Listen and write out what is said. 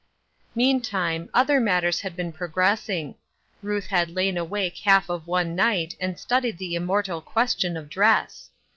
Meantime, other matters had been progress ing. Ruth had lain awake half of one night and studied the immortal question of dress.